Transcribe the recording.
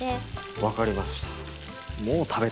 分かりました。